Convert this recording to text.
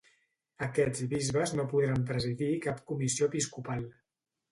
Aquests bisbes no podran presidir cap comissió episcopal.